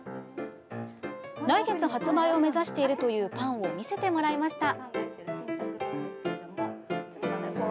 来月発売を目指しているというパンを見せてもらいました。